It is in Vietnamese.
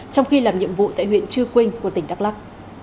trong khi làm nhiệm vụ tại huyện chư quynh của tỉnh đắk lắc